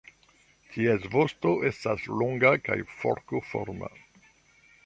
Ties vosto estas longa kaj forkoforma.